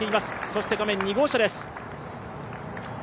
そして画面、２号車です。